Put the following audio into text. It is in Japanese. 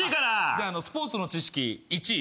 じゃあスポーツの知識１位。